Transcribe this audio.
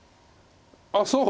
あっそう？